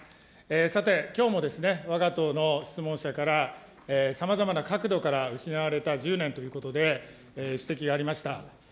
さてきょうも、わが党の質問者から、さまざまな角度から失われた１０年ということで、指摘がありました。